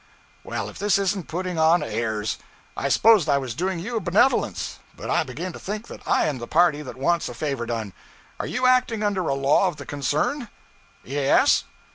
'Well, if this isn't putting on airs! I supposed I was doing you a benevolence; but I begin to think that I am the party that wants a favor done. Are you acting under a law of the concern?' 'Yes.'